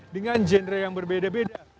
dengan genre yang berbeda beda